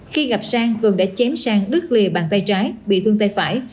khi gặp sang vườn đã chém sang đứt lìa bàn tay trái bị thương tay phải